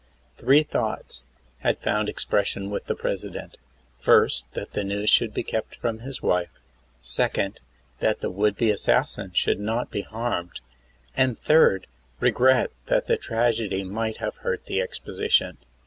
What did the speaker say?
Three thoughts had found expression with the President ŌĆö first, that the news should be kept from his wife; second, that the would be assassin should not be harmed; and, third, regret that the tragedy might hurt the exposition.